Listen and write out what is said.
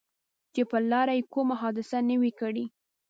چې پر لاره یې کومه حادثه نه وي کړې.